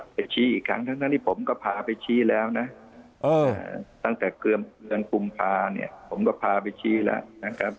ไปชี้อีกครั้งทั้งนั้นที่ผมก็พาไปชี้แล้วนะตั้งแต่เดือนกุมภาเนี่ยผมก็พาไปชี้แล้วนะครับ